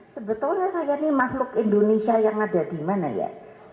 sebetulnya saya ini makhluk indonesia yang ada di mana ya